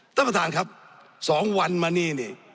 ท่านประธานครับ๒วันมานี่นี่